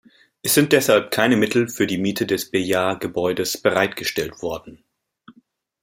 Es sind deshalb keine Mittel für die Miete des Belliard-Gebäudes bereitgestellt worden.